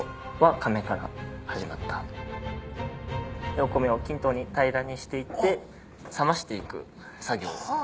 お米を均等に平らにして行って冷まして行く作業。